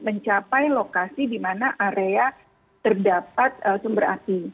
mencapai lokasi di mana area terdapat sumber api